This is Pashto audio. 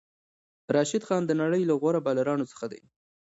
راشد خان د نړۍ له غوره بالرانو څخه دئ.